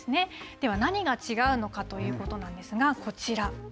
では、何が違うのかということなんですが、こちら。